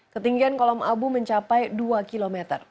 ketinggian kolom abu mencapai dua km